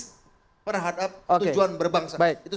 terhadap tujuan berbangsa